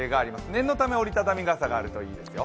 念のため、折り畳み傘があるといいですよ。